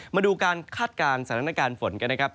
มาดูการคาดการณ์สถานการณ์ฝนกัน